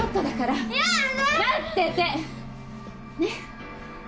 ねっ？